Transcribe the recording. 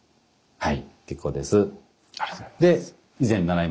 はい。